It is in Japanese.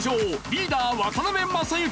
リーダー渡辺正行。